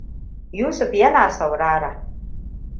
Yusuf yana saurara.